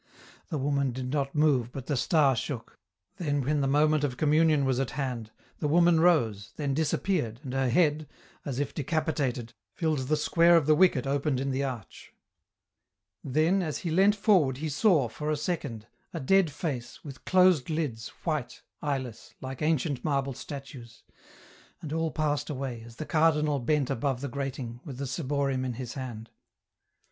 The woman did not move but the star shook ; then when the moment of communion was at hand, the woman rose, then disappeared, and her head, as if de capitated, filled the square of the wicket opened in the arch. Then as he leant forward he saw, for a second, a dead face, with closed lids, white, eyeless, like ancient marble statues. And all passed away, as the Cardinal bent above the grating, with the ciborium in his hand.